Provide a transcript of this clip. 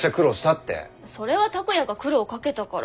それは拓哉が苦労をかけたから。